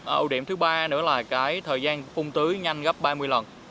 âu điểm thứ ba nữa là thời gian phun tứ nhanh gấp ba mươi lần